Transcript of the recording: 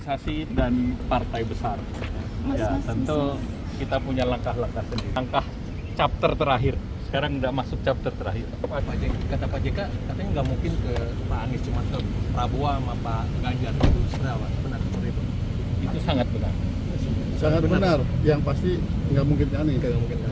sangat benar yang pasti tidak mungkin anies